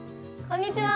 こんにちは。